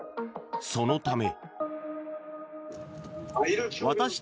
そのため。